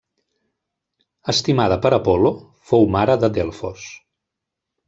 Estimada per Apol·lo, fou mare de Delfos.